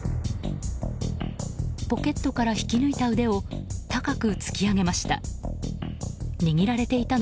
ポケットから手を引き抜いた腕を高く突き上げました。